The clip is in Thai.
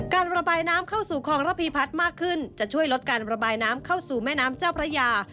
การระบายน้ำเข้าสู่คลองระพีพัฒน์มากขึ้นจะช่วยลดการระบายน้ำเข้าสู่แม่น้ำเจ้าพระยา